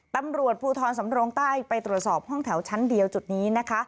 ตำรวจภูทรสำโรงใต้ไปตรวจสอบห้องแถวชั้นเดียวจุดนี้นะคะ